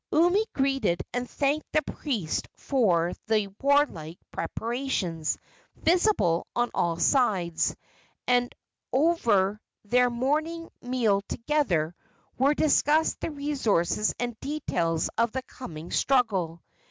Umi greeted and thanked the priest for the warlike preparations visible on all sides, and over their morning meal together were discussed the resources and details of the coming struggle.